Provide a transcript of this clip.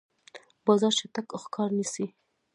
باز چټک ښکار نیسي.